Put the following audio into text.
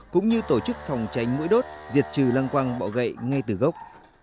cũng như tổ chức phòng tránh mũi đốt diệt trừ lăng quăng bọ gậy ngay từ gốc